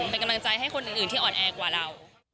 เป็นกำลังใจให้คนอื่นที่อ่อนแอกว่าเรา